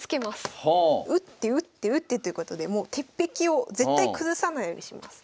打って打って打ってということでもう鉄壁を絶対崩さないようにします。